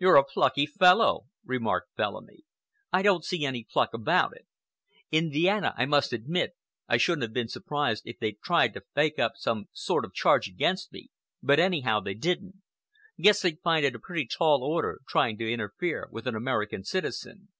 "You're a plucky fellow," remarked Bellamy. "I don't see any pluck about it. In Vienna, I must admit, I shouldn't have been surprised if they'd tried to fake up some sort of charge against me, but anyhow they didn't. Guess they'd find it a pretty tall order trying to interfere with an American citizen."